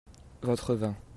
votre vin.